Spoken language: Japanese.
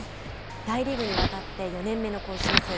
大リーグに渡って４年目の今シーズン。